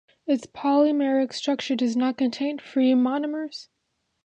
Its polymeric structure does not contain free monomers.